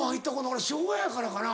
俺昭和やからかな？